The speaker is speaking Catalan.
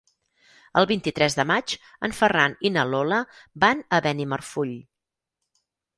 El vint-i-tres de maig en Ferran i na Lola van a Benimarfull.